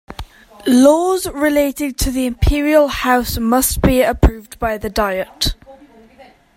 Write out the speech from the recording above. Laws relating to the imperial house must be approved by the Diet.